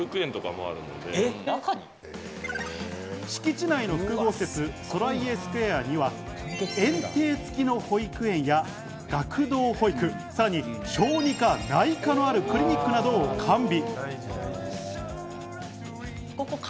敷地内の複合施設、ソライエスクエアには園庭付きの保育園や学童保育、さらに小児科、内科のあるクリニックを完備。